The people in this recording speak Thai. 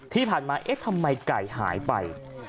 ที่ผ่านมาเอ๊ะทำไมไก่หายไป